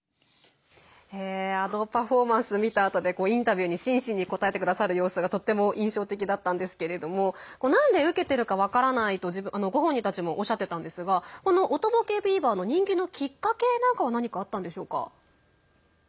あのパフォーマンス見たあとでインタビューに真摯に答えてくださる様子がとっても印象的だったんですけどなんでウケてるか分からないとご本人たちもおっしゃってたんですがこのおとぼけビバの人気のきっかけなんかは何かあったんでしょうか？